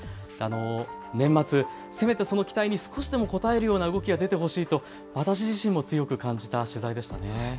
年末、せめてその期待に少しでも応えるような動きが出てほしいと私自身も強く感じた取材でしたね。